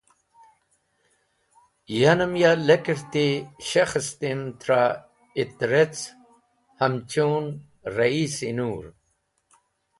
Yanem ya lekerti shekhestim trẽ ITREC, hamchun Rayis-e Nur.